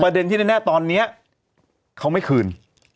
เด็นที่แน่ตอนนี้เขาไม่คืน